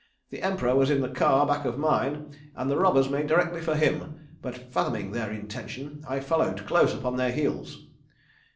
The Emperor was in the car back of mine, and the robbers made directly for him, but fathoming their intention I followed close upon their heels.